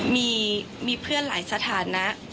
มีเพื่อนหลายสถานะ